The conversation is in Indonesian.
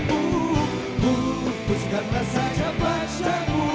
putuskanlah saja pacarmu